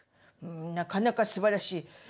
なかなかすばらしい。